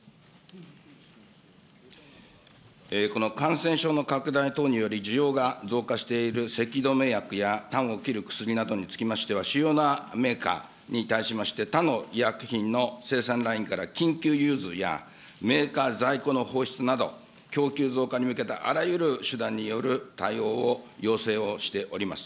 この感染症の拡大等により、需要が増加しているせき止め薬や、たんを切る薬などにつきましては、主要なメーカーに対しまして、他の医薬品の生産ラインから緊急融通や、メーカー在庫の放出など、供給増加に向けたあらゆる手段による対応を要請をしております。